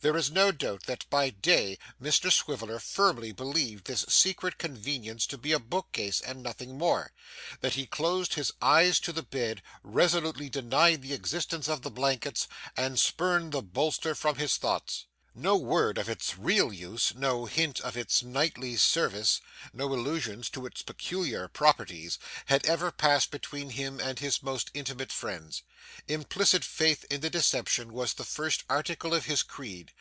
There is no doubt that by day Mr Swiveller firmly believed this secret convenience to be a bookcase and nothing more; that he closed his eyes to the bed, resolutely denied the existence of the blankets, and spurned the bolster from his thoughts. No word of its real use, no hint of its nightly service, no allusion to its peculiar properties, had ever passed between him and his most intimate friends. Implicit faith in the deception was the first article of his creed.